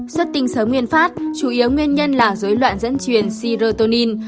xuất tinh sớm nguyên phát chủ yếu nguyên nhân là dối loạn dẫn truyền sirotonin